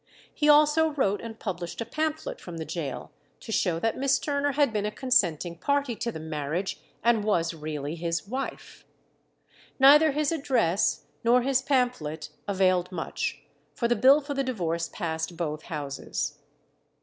He also wrote and published a pamphlet from the gaol to show that Miss Turner had been a consenting party to the marriage, and was really his wife. Neither his address nor his pamphlet availed much, for the bill for the divorce passed both Houses.